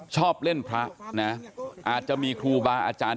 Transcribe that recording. ชอบเล่นพระนะอาจจะมีครูบาอาจารย์